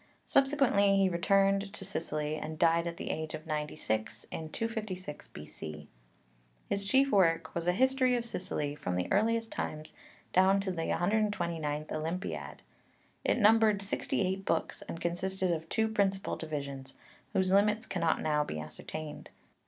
Subsequently he returned to Sicily, and died at the age of ninety six in 256 B.C. His chief work was a History of Sicily from the earliest times down to the 129th Olympiad. It numbered sixty eight books, and consisted of two principal divisions, whose limits cannot now be ascertained.